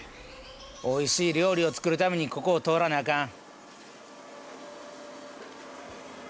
おいしい料理を作るためにここを通らなあかん。